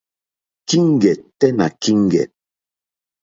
Kíŋgɛ̀ tɛ́ nà kíŋgɛ̀.